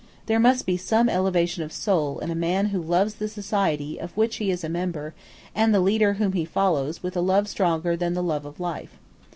There must be some elevation of soul in a man who loves the society of which he is a member and the leader whom he follows with a love stronger than the love of life.